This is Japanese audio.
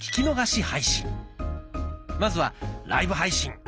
まずは「ライブ配信」。